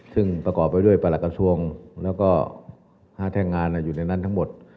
ซึ่งประกอบไปด้วยปรกส่วนและ๕แท่งงานอยู่ในนั้นทั้งหมด